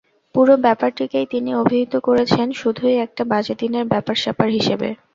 পুরো ব্যাপারটিকেই তিনি অভিহিত করেছেন শুধুই একটা বাজে দিনের ব্যাপারস্যাপার হিসেবে।